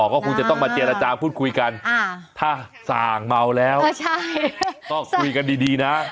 ก็คงจะต้องมาเจรจาพูดคุยกันถ้าส่างเมาแล้วก็คุยกันดีนะ